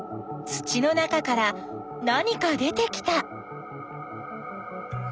土の中から何か出てきた。